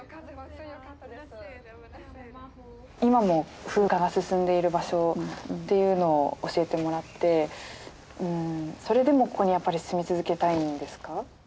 今も風化が進んでいる場所っていうのを教えてもらってそれでもここにやっぱり住み続けたいんですか？